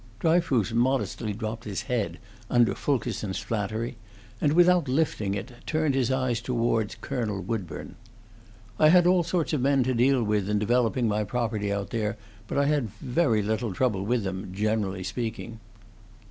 Dryfoos modestly dropped his head under Fulkerson's flattery and, without lifting it, turned his eyes toward Colonel Woodburn. "I had all sorts of men to deal with in developing my property out there, but I had very little trouble with them, generally speaking."